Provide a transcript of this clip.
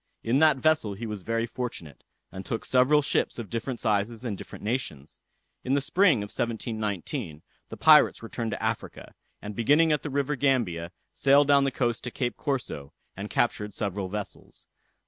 In that vessel he was very fortunate, and took several ships of different sizes and different nations. In the spring of 1719, the pirates returned to Africa, and beginning at the river Gambia, sailed down the coast to Cape Corso, and captured several vessels.